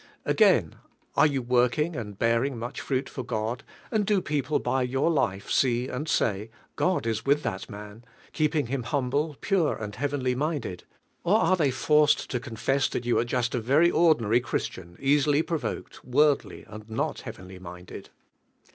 Again, are you working and bearing much fruit for God, and do people by your life see mnl say, "God in with thai man, keeping him humble, pure, and heavenly minded"? or are they forced to confers thai yon are jusl a rery ordinary Christian, easily provoked, worldly, and not heavenly minded?